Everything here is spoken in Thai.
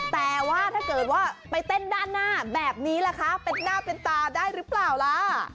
แต่ว่าถ้าเกิดว่าไปเต้นด้านหน้าแบบนี้ล่ะคะเป็นหน้าเป็นตาได้หรือเปล่าล่ะ